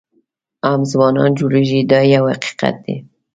هم ځوانان جوړېږي دا یو حقیقت دی.